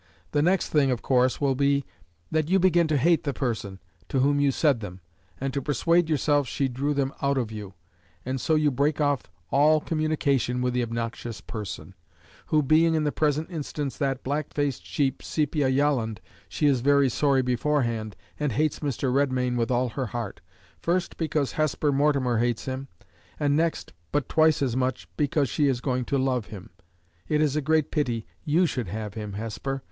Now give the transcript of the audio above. The next thing, of course, will be, that you begin to hate the person, to whom you said them, and to persuade yourself she drew them out of you; and so you break off all communication with the obnoxious person; who being, in the present instance, that black faced sheep, Sepia Yolland, she is very sorry beforehand, and hates Mr. Redmain with all her heart; first, because Hesper Mortimer hates him, and next, but twice as much, because she is going to love him. It is a great pity you should have him, Hesper.